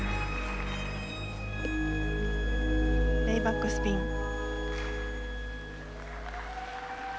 レイバックスピン。